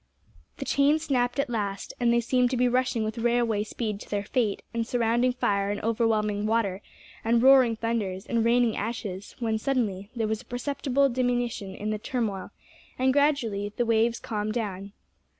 The chain snapped at last, and they seemed to be rushing with railway speed to their fate amid surrounding fire and overwhelming water, and roaring thunders, and raining ashes, when, suddenly, there was a perceptible diminution in the turmoil, and, gradually, the waves calmed down.